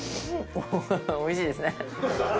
ごはんおいしいですね。